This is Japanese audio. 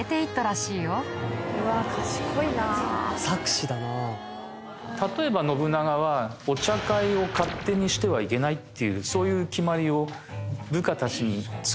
信長は例えば信長はお茶会を勝手にしてはいけないっていうそういう決まりを部下たちに作ってて。